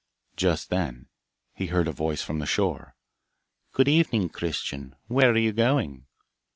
Just then he heard a voice from the shore, 'Good evening, Christian, where are you going?